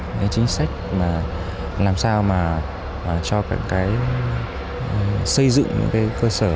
cái chính sách làm sao mà cho cả cái xây dựng những cái cơ sở